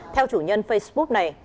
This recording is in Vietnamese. theo chủ nhân facebook này